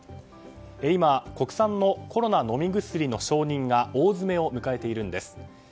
今、国産のコロナ飲み薬の承認が大詰めを迎えているんです。